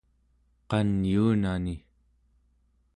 qanyuunani